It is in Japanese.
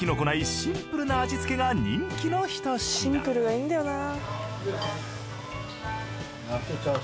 シンプルがいいんだよなぁ。